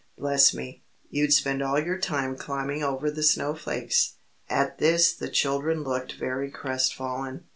Bless me, you'd spend all your time climbing over the snowflakes." At this the children looked very crestfallen.